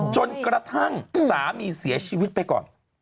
จนกระทั่งสามีเสียชีวิตไปก่อน